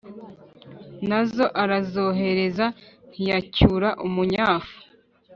na zo arazohereza ntiyacyura umunyafu.